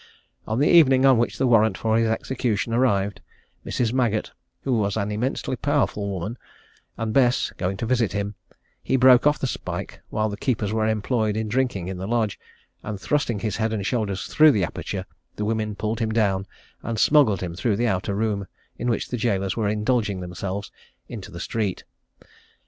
On the evening on which the warrant for his execution arrived, Mrs. Maggott, who was an immensely powerful woman, and Bess, going to visit him, he broke off the spike while the keepers were employed in drinking in the lodge, and thrusting his head and shoulders through the aperture, the women pulled him down, and smuggled him through the outer room, in which the gaolers were indulging themselves, into the street.